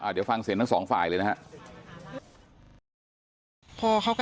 เดี๋ยวฟังเสียงทั้งสองฝ่ายเลยนะครับ